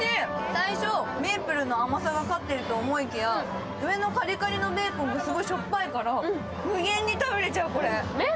最初メープルの甘さが勝っていると思いきや、上のカリカリのベーコンがすごいしょっぱいから、無限に食べれちゃう。